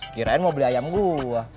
kirain mau beli ayam gue